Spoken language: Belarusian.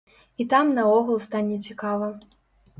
І там наогул стане цікава.